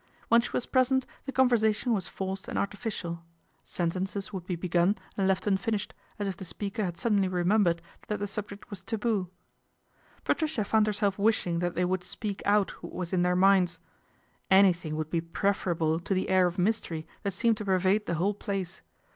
When she was present the conversa tion was forced and artificial. Sentences would be begun and left unfinished, as if the speaker had suddenly remembered that the subject was taboo. Patricia found herself wishing that they would speak out what was in their minds. Anything would be preferable to the air of mystery that seemed to pervade the whole place.